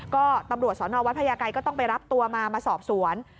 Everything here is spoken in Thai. ก็ตำรวจสนวัดพญาไกรก็ต้องไปรับตัวมามาสอบสวน